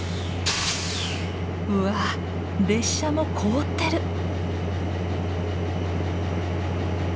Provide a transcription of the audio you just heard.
うわ列車も凍ってる！